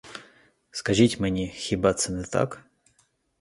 Скажіть мені, хіба це не так?